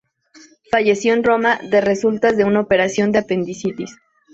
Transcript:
Falleció en Roma de resultas de una operación de apendicitis.